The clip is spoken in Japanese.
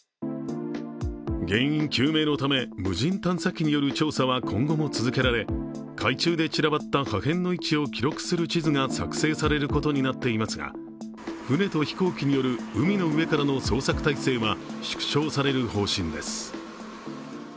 原因究明のため無人探査機による調査は今後も続けられ、海中で散らばった破片の位置を記録する地図が作成されることになっていますが、船と飛行機による海の上からの捜索態勢は縮小される方針です。